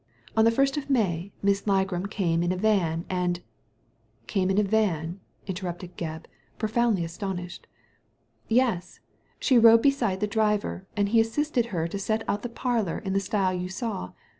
On the first of May Miss Ligram came in a van and *'Came in a van ?" interrupted Gebb, profoundly astonished. '' Yes 1 she rode beside the driver, and he assisted her to set out the parlour in the style you saw.